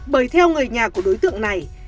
bởi theo người nhà của đối tượng này